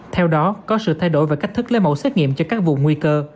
theo đó có sự thay đổi về cách thức lấy mẫu xét nghiệm cho các vùng nguy cơ